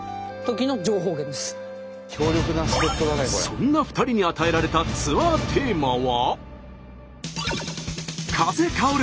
そんな２人に与えられたツアーテーマは。